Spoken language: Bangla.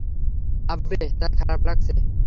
আব্বে, তার খারাপ লাগছে!